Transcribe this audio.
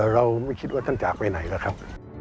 เราไม่คิดว่าท่านจากไปไหนหรอกครับ